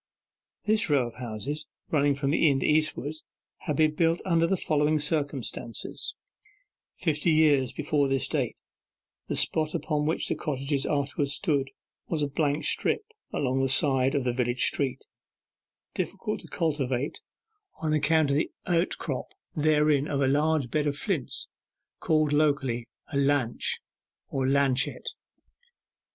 This row of houses, running from the inn eastward, had been built under the following circumstances: Fifty years before this date, the spot upon which the cottages afterwards stood was a blank strip, along the side of the village street, difficult to cultivate, on account of the outcrop thereon of a large bed of flints called locally a 'lanch' or 'lanchet.